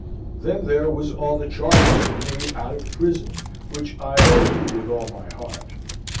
Then there was all the charges of me out of prison, which I. O. U. with all my hart.